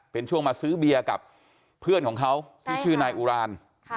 เป็นช่วงมาซื้อเบียร์กับเพื่อนของเขาที่ชื่อนายอุราน